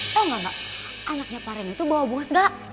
loh enggak enggak anaknya pak reno itu bawa bunga segala